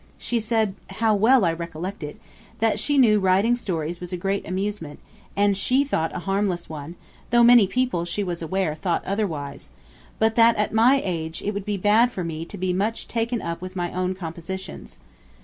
She said how well I recollect it! that she knew writing stories was a great amusement, and she thought a harmless one, though many people, she was aware, thought otherwise; but that at my age it would be bad for me to be much taken up with my own compositions.